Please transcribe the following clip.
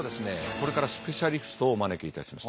これからスペシャリストをお招きいたします。